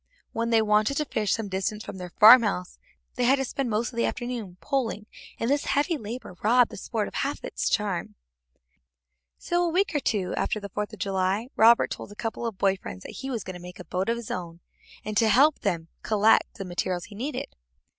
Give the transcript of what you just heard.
When they wanted to fish some distance down from their farmhouse, they had to spend most of the afternoon poling, and this heavy labor robbed the sport of half its charm. So, a week or two after the Fourth of July, Robert told a couple of boy friends that he was going to make a boat of his own, and got them to help him collect the materials he needed.